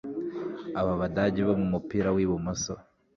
Aba Badage bo mumupira w ibumoso